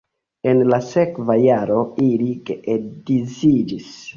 En la sekva jaro ili geedziĝis.